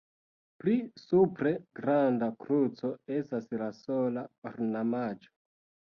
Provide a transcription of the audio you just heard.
Pli supre granda kruco estas la sola ornamaĵo.